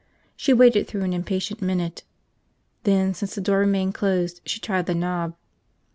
She waited through an impatient minute. Then, since the door remained closed, she tried the knob.